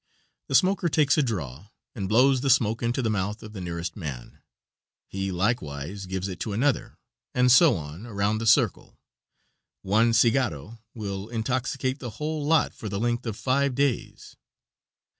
The smoker takes a draw and blows the smoke into the mouth of the nearest man, he likewise gives it to another, and so on around the circle. One cigaro will intoxicate the whole lot for the length of five days.